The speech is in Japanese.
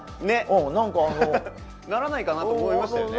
何かあのならないかなと思いましたよね